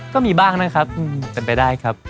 ก็มีบ้างนะครับเป็นไปได้ครับ